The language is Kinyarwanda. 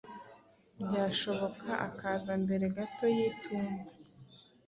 byashoboka akaza mbere gato y’itumba.